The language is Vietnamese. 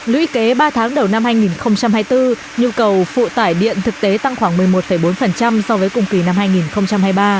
lũy kế ba tháng đầu năm hai nghìn hai mươi bốn nhu cầu phụ tải điện thực tế tăng khoảng một mươi một bốn so với cùng kỳ năm hai nghìn hai mươi ba